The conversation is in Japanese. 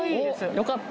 よかった